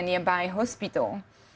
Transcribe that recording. dan tidak bisa ke hospital